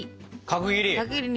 角切り。